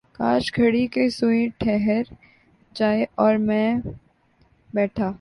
کاش گھڑی کی سوئ ٹھہر ج اور میں ی بیٹھا ر